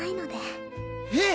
えっ！？